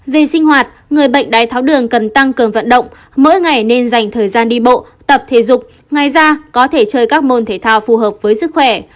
về sinh hoạt người bệnh đái tháo đường cần tăng cường vận động mỗi ngày nên dành thời gian đi bộ tập thể dục ngoài ra có thể chơi các môn thể thao phù hợp với sức khỏe